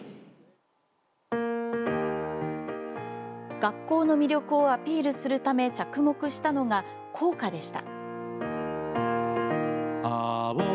学校の魅力をアピールするため着目したのが校歌でした。